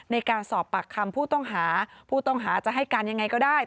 ในการสอบปากคำผู้ต้องหาผู้ต้องหาจะให้การยังไงก็ได้